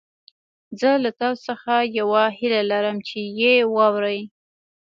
زه له تاسو څخه يوه هيله لرم چې يې واورئ.